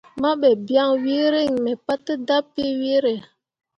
Mahɓe biaŋ wee reŋ mi pate dapii weere.